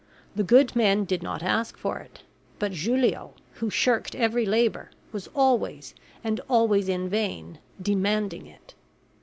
The good men did not ask for it; but Julio, who shirked every labor, was always, and always in vain, demanding it.